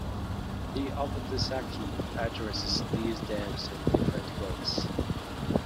The Ofudesaki addresses these themes in different ways.